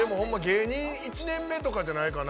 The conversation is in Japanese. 芸人１年目とかじゃないかな。